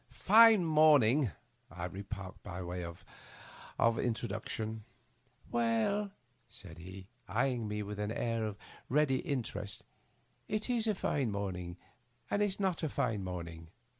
" Fine morning," I remarked, by way of introduction. " "Well," said he, eying me with an air of ready in terest, " it's a fine morning and it's not a fine morning.